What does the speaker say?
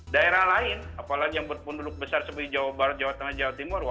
daerah lain apalagi yang berpenduduk besar seperti jawa barat jawa tengah jawa timur